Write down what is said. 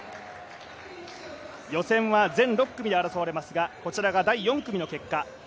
予選は全６組で争われますがこちらが第４組の結果。